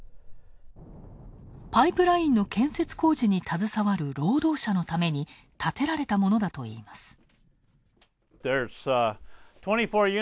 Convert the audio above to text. パイプラインの建設工事に携わる労働者のために、建てられたものだといいます。